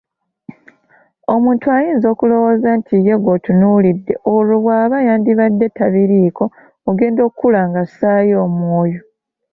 Omuntu ayinza okulowooza nti ye gw'otunuulidde olwo bw'aba yandibadde tabiriiko, ogenda okula ng'assaayo omwoyo.